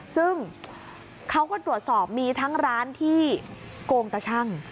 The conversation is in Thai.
ซึ่งเขาก็ตรวจสอบมีทั้งร้านที่โกงตะชั่ง